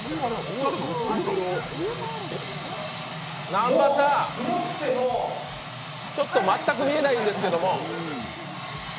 南波さん、ちょっと全く見えないんですけれども。